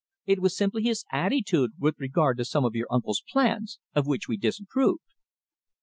It was simply his attitude with regard to some of your uncle's plans, of which we disapproved."